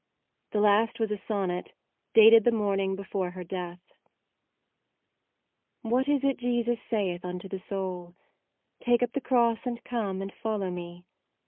The last was a sonnet, dated the morning before her death : What is it Jesus saith unto the soul? " Take up the Cross and come, and fol low Me."'